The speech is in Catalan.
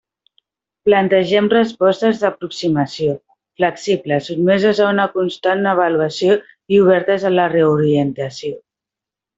Plantegem respostes d'aproximació, flexibles, sotmeses a una constant avaluació i obertes a la reorientació.